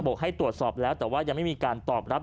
กให้ตรวจสอบแล้วแต่ว่ายังไม่มีการตอบรับ